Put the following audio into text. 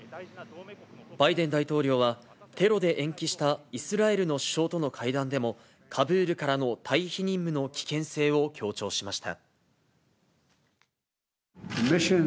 バイデン大統領は、テロで延期したイスラエルの首相との会談でも、カブールからの退避任務の危険性を強調しました。